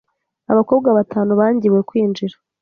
Abakobwa batanu bangiwe kwijnjira